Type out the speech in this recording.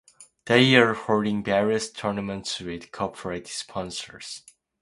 They are holding various tournaments with corporate sponsors.